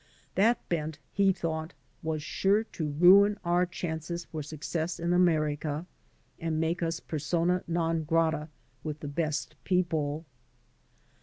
That bent, he thought, was sure to ruin our chances for success in America, and make us personcB rum gratce with the best people.